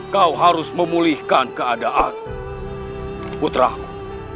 kau harus memulihkan keadaan putraku